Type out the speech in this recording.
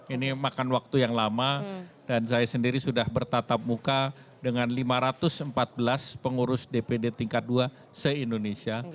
ini makan waktu yang lama dan saya sendiri sudah bertatap muka dengan lima ratus empat belas pengurus dpd tingkat dua se indonesia